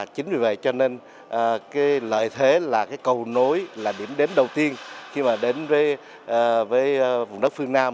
chính vì vậy lợi thế là cầu nối là điểm đến đầu tiên khi đến với vùng đất phương nam